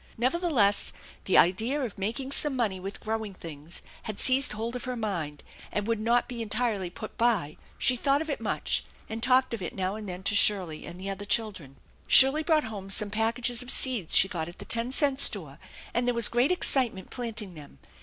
Nevertheless, the idea of making some money with growing things had seized hold of her mind and would not be entirely put by. She thought of it much, and talked of it now and then to Shirley and the other children. Shirley brought home some packages of seeds she got at the ten cent store, and there was great excitement planting them.